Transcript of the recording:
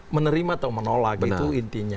menerima atau menolak itu intinya